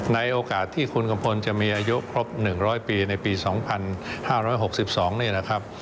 ในโอกาสที่คุณกัมพลจะมีอายุครบ๑๐๐ปีในปี๒๕๖๒นี่นะครับ